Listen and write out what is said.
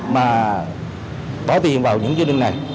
mà bỏ tiền vào những chương trình này